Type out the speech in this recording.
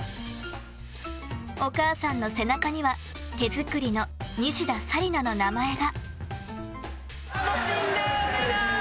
お母さんの背中には手作りの西田紗理那の名前が。